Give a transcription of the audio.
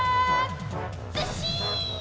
ずっしん！